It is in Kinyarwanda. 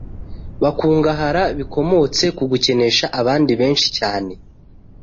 bakungahara bikomotse ku gukenesha abandi benshi cyane